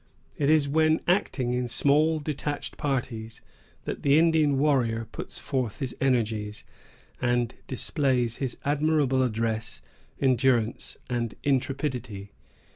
It is when acting in small, detached parties, that the Indian warrior puts forth his energies, and displays his admirable address, endurance, and intrepidity.